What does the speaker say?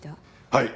はい。